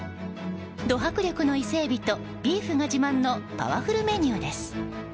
ド迫力の伊勢海老とビーフが自慢のパワフルメニューです。